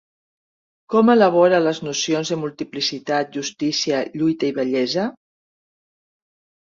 Com elabore les nocions de multiplicitat, justícia, lluita i bellesa?